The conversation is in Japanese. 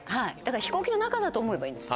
飛行機の中だと思えばいいんです。